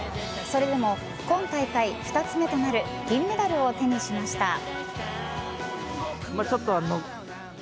それでも、今大会２つ目となる銀メダルを手にしました。